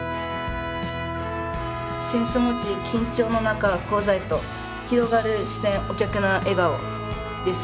「扇子持ち緊張の中高座へと広がる視線お客の笑顔」です。